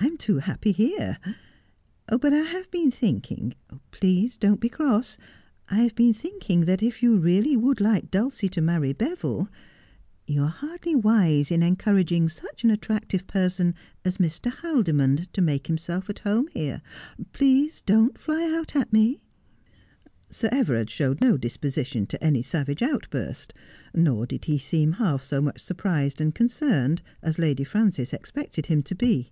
' I am too happy here. But I have been thinking — oh, please don't be cross — I have been thinking that if you really would like Dulcie to marry Beville you are hardly wise in encouraging such an attractive person as Mr. Haldimond to make himself at home here. Please don't fly out at me !' Sir Everard showed no disposition to any savage outburst, nor did he seem half so much surprised and concerned as Lady Frances expected him to be.